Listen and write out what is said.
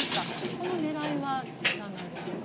この狙いはなんでしょうか？